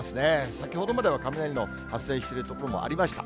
先ほどまでは雷雲発生している所もありました。